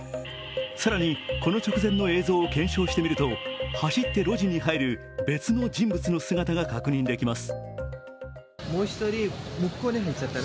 更に、この直前の映像を検証してみると走って路地に入る別の人物の姿が確認できます。